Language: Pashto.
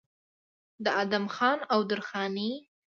د ادم خان او درخانۍ